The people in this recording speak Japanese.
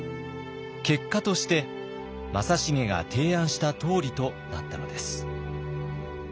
結果として正成が提案したとおりとなったのです。